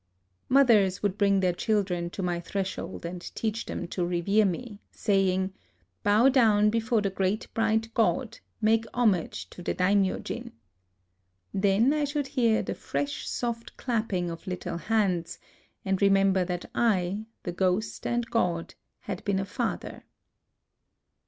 Mothers would bring their children to my threshold, and teach them to revere me, say ing, " Bow down before the great bright God ; make homage to the Daimyojin." Then I should hear the fresh soft clapping of little 8 A LIVING GOD hands, and remember tliat I, the ghost and god, had been a father.